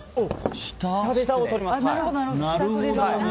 下を取ります。